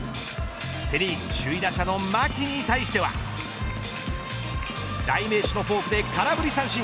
セ・リーグ首位打者の牧に対しては代名詞のフォークで空振り三振。